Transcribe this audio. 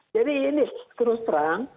jadi ini terus terang